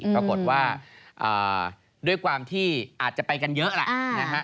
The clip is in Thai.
ปรากฏว่าด้วยความที่อาจจะไปกันเยอะแหละนะฮะ